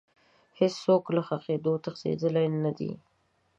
هیڅ څوک له ښخېدو تښتېدلی نه دی.